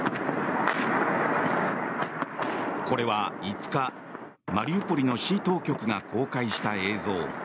これは５日、マリウポリの市当局が公開した映像。